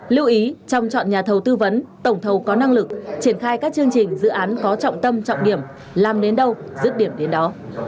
lưu ý trong chọn nhà thầu tư vấn tổng thầu có năng lực triển khai các chương trình dự án có trọng tâm trọng điểm làm đến đâu dứt điểm đến đó